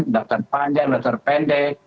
daftar panjang daftar pendek